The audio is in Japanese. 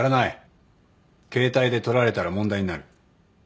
携帯で撮られたら問題になる。